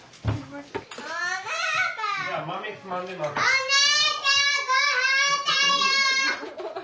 お姉ちゃんごはんだよ！